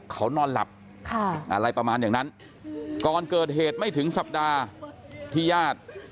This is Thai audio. เขานอนหลับอะไรประมาณอย่างนั้นก่อนเกิดเหตุไม่ถึงสัปดาห์ที่ญาติ